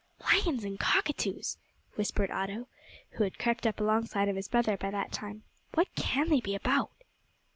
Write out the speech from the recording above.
"Lions and cockatoos!" whispered Otto, who had crept up alongside of his brother by that time, "what can they be about?"